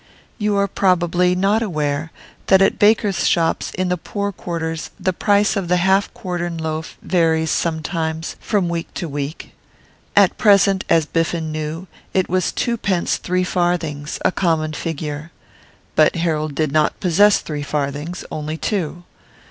You are probably not aware that at bakers' shops in the poor quarters the price of the half quartern loaf varies sometimes from week to week. At present, as Biffen knew, it was twopence three farthings, a common figure. But Harold did not possess three farthings, only two.